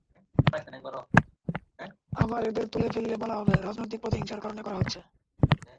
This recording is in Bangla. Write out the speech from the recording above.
আবার এদের তুলে ফেললে বলা হবে, রাজনৈতিক প্রতিহিংসার কারণে করা হচ্ছে।